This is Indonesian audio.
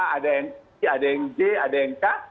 ada yang c ada yang j ada yang k